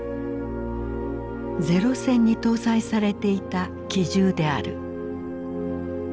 零戦に搭載されていた機銃である。